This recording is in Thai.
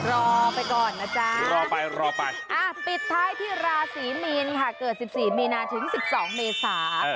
เออรอไปก่อนนะจ๊ะปิดท้ายที่ราศรีมีนค่ะเกิด๑๔มีนาถึง๑๒เมษา